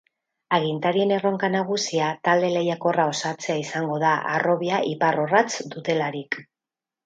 Agintarien erronka nagusia talde lehiakorra osatzea izango da harrobia ipar-orratz dutelarik.